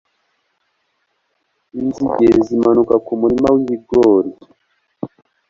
Inzige zimanuka kumurima wibigori.